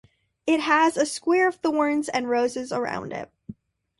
It has a square of thorns and roses around it.